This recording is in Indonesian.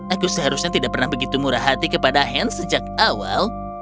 aku seharusnya tidak pernah begitu murah hati kepada hans sejak awal